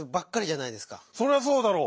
そりゃそうだろう！